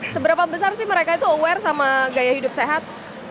seberapa besar sih mereka itu aware sama gaya hidup sehat